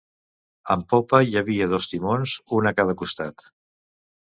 En popa hi havia dos timons, un a cada costat.